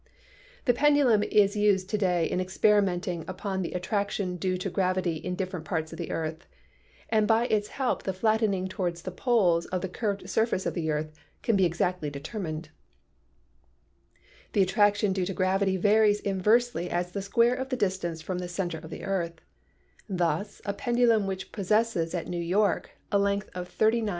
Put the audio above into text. The pendulum is used to day in experimenting upon the attraction due to gravity in different parts of the earth, and by its help the flattening toward the poles of the curved surface of the earth can be exactly determined. The attraction due to gravity varies inversely as the square of the distance from the center of the earth. Thus a pendulum which possesses at New York a length of 39.1 5 — Foucault's Experiment Showing Rotation of the Earth.